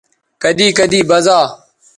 کدی کدی بزا